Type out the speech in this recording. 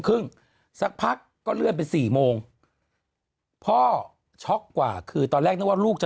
ครึ่งสักพักก็เลื่อนไปสี่โมงพ่อช็อกกว่าคือตอนแรกนึกว่าลูกจะ